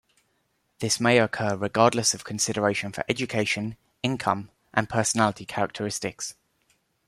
This may occur regardless of consideration for education, income, and personality characteristics.